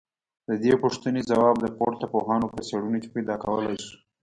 ددې پوښتني ځواب د پورته پوهانو په څېړنو کي پيدا کولای سو